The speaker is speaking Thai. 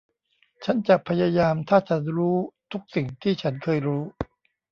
ฉันจะพยายามถ้าฉันรู้ทุกสิ่งที่ฉันเคยรู้